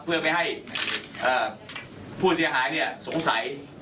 เพื่อไม่ให้ผู้เสียหายสงสัย